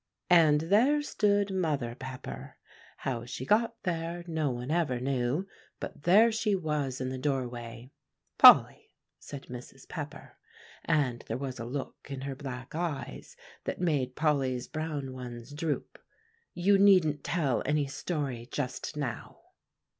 And there stood Mother Pepper; how she got there, no one ever knew, but there she was in the doorway. "Polly," said Mrs. Pepper, and there was a look in her black eyes that made Polly's brown ones droop, "you needn't tell any story just now."